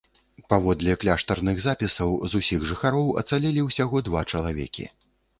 Паводле кляштарных запісаў, з усіх жыхароў ацалелі ўсяго два чалавекі.